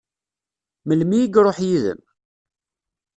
Melmi i iṛuḥ yid-m?